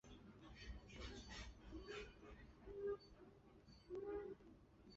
他的继承者阿尔斯兰在位时终生向菊儿汗称臣纳贡。